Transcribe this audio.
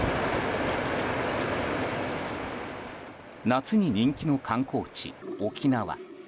夏に人気の観光地、沖縄。